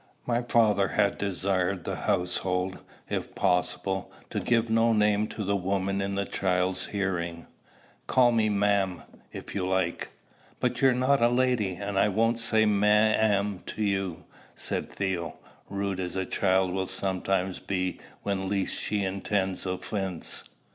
My father had desired the household, if possible, to give no name to the woman in the child's hearing. "Call me mam, if you like." "But you're not a lady, and I won't say ma'am to you," said Theo, rude as a child will sometimes be when least she intends offence.